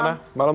malam mbak nana